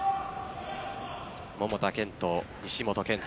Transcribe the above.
桃田賢斗、西本拳太。